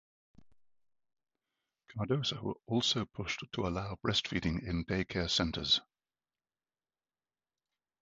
Cardoso also pushed to allow breastfeeding in daycare centers.